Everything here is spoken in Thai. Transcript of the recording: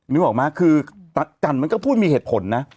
นึกออกไหมคือจันทร์มันก็พูดมีเหตุผลนะ